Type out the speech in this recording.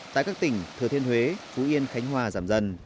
tại các tỉnh thừa thiên huế phú yên khánh hòa giảm dần